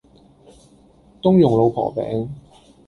冬蓉老婆餅